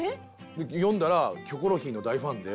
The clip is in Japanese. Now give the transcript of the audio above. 読んだら『キョコロヒー』の大ファンで。